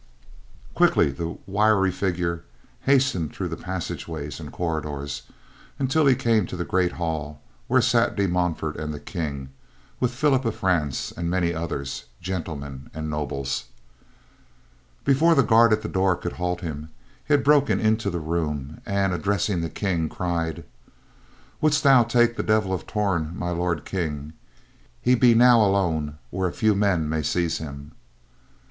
Quickly, the wiry figure hastened through the passageways and corridors, until he came to the great hall where sat De Montfort and the King, with Philip of France and many others, gentlemen and nobles. Before the guard at the door could halt him, he had broken into the room and, addressing the King, cried: "Wouldst take the Devil of Torn, My Lord King? He be now alone where a few men may seize him."